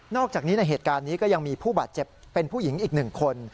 อกจากนี้ในเหตุการณ์นี้ก็ยังมีผู้บาดเจ็บเป็นผู้หญิงอีก๑คน